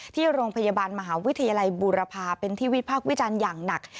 ที่โรงพยาบาลมหาวิทยาลัยบูรพาเป็นที่วิพากษ์วิจารณ์อย่างหนัก